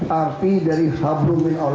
dan mempercayai agama yang kita mempercayai